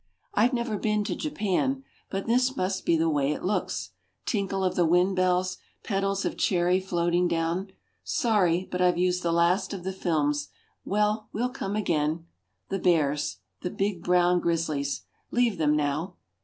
I've never been to Japan, but this must be the way it looks. Tinkle of the wind bells, petals of Cherry floating down. Sorry, but I've used the last of the films. Well, we'll come again. The bears, the big brown grizzlies, leave them now.